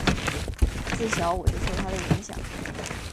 自小我就受他的影响